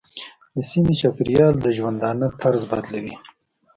د سیمې چاپېریال د ژوندانه طرز بدلوي.